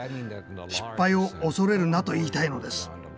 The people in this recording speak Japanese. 失敗を恐れるなと言いたいのです。